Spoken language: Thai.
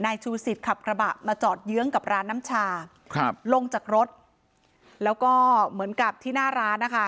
ชูสิทธิ์ขับกระบะมาจอดเยื้องกับร้านน้ำชาครับลงจากรถแล้วก็เหมือนกับที่หน้าร้านนะคะ